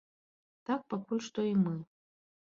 Так пакуль што і мы.